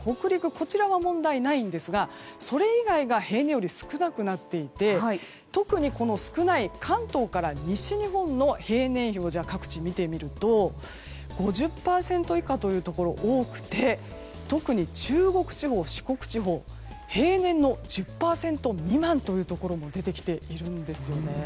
こちらは問題ないんですがそれ以外が平年より少なくなっていて特に少ない関東から西日本の平年比を見てみると５０％以下のところが多くて特に中国地方、四国地方平年の１０％未満というところも出てきているんですね。